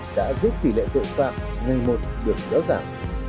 đã giúp tỷ lệ tội phạm ngày một được kéo giảm